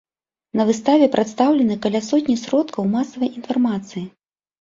На выставе прадстаўлены каля сотні сродкаў масавай інфармацыі.